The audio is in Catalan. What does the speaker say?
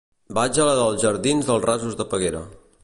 Vaig a la jardins dels Rasos de Peguera.